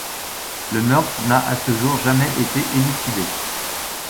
Le meurtre n'a à ce jour jamais été élucidé.